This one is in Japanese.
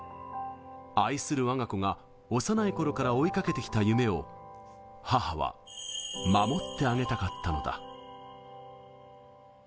アイする我が子が幼いころから追いかけてきた夢を母は守ってあげたかったのだ。